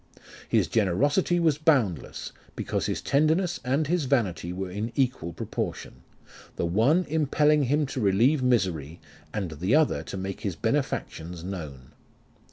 His generosity was boundless, because his tenderness and his vanity were in equal proportion; the one impelling him to relieve misery, and the other to make his benefactions known.